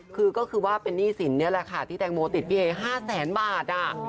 คือก็คือว่าเป็นหนี้สินนี่แหละค่ะที่แตงโมติดพี่เอ๕แสนบาท